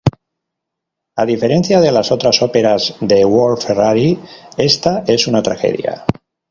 A diferencia de las otras óperas de Wolf-Ferrari, esta es una tragedia.